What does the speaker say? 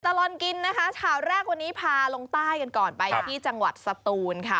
ตลอดกินนะคะข่าวแรกวันนี้พาลงใต้กันก่อนไปที่จังหวัดสตูนค่ะ